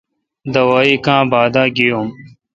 دوائ کا با داگینم۔